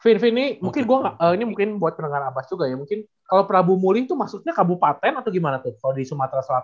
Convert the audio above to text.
fin fin ini mungkin buat pengenar abastok juga ya mungkin kalau prabu muli itu maksudnya kabupaten atau gimana tuh kalau di sumatera selatan